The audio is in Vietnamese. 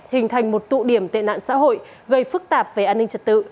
hình thành một tụ điểm tệ nạn xã hội gây phức tạp về an ninh trật tự